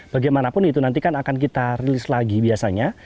bagaimanapun itu nanti kan akan kita rilis lagi biasanya